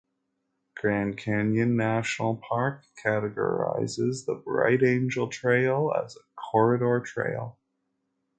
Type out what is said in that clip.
Grand Canyon National Park categorizes the Bright Angel Trail as a "corridor trail".